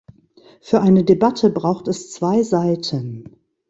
Für eine Debatte braucht es zwei Seiten.